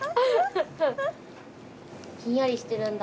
ひんやりしてるんだ。